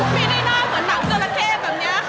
ไม่ได้น่าเหมือนหนังจราเข้แบบนี้ค่ะ